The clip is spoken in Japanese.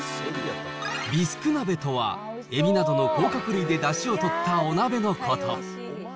ビスク鍋とは、エビなどの甲殻類でだしを取ったお鍋のこと。